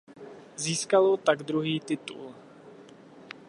Získalo tak druhý titul.